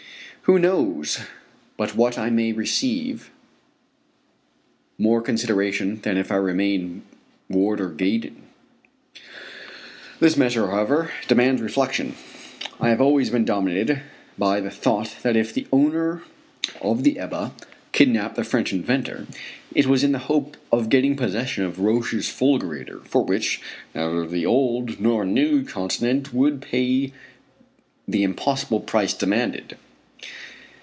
Who knows but what I may receive more consideration than if I remain Warder Gaydon? This measure, however, demands reflection. I have always been dominated by the thought that if the owner of the Ebba kidnapped the French inventor, it was in the hope of getting possession of Roch's fulgurator, for which, neither the old nor new continent would pay the impossible price demanded.